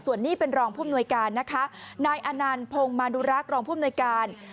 ส่วนนี้เป็นรองผู้อำนวยการนะคะนายอานานพงศ์มานุรักษณ์รองผู้อำนวยการ